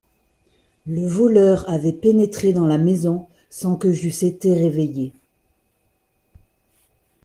Le voleur avait pénétré dans la maison sans que j’eusse été réveillé.